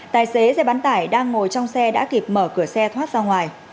tài xế xe bán tải đang ngồi trong xe đã kịp mở cửa xe thoát ra ngoài